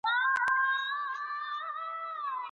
حقوقو پوهنځۍ سمدستي نه لغوه کیږي.